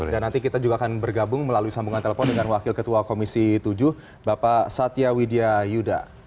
dan nanti kita juga akan bergabung melalui sambungan telepon dengan wakil ketua komisi tujuh bapak satya widya yuda